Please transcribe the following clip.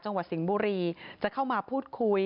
จังหวัดสิงห์บุรีจะเข้ามาพูดคุย